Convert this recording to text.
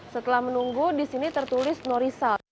setelah menunggu di sini tertulis no result